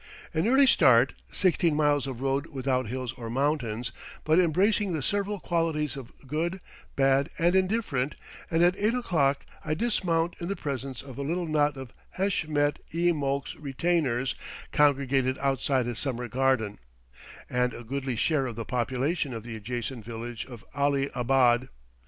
An early start, sixteen miles of road without hills or mountains, but embracing the several qualities of good, bad, and indifferent, and at eight o'clock I dismount in the presence of a little knot of Heshmet i Molk's retainers congregated outside his summer garden, and a goodly share of the population of the adjacent village of Ali abad.